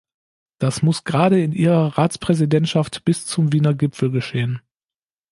Das muss gerade in Ihrer Ratspräsidentschaft bis zum Wiener Gipfel geschehen.